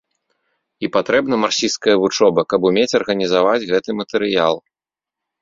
І патрэбна марксісцкая вучоба, каб умець арганізаваць гэты матэрыял.